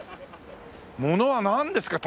ものはなんですか？